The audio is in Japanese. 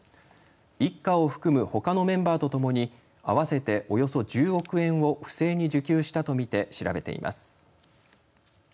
一家を含むほかのメンバーとともに合わせておよそ１０億円を不正に受給したと見て調べています。